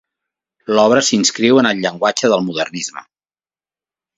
L'obra s'inscriu en el llenguatge del modernisme.